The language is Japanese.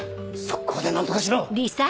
即行で何とかしろ！